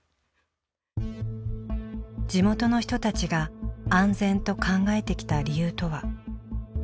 地元の人たちが「安全」と考えてきた理由とは。